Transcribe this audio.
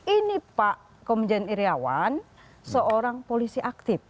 ini pak komjen iryawan seorang polisi aktif